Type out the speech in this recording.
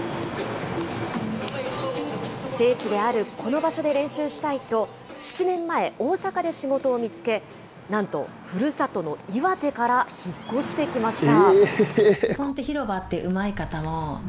聖地であるこの場所で練習したいと、７年前、大阪で仕事を見つけ、なんとふるさとの岩手から引っ越してきました。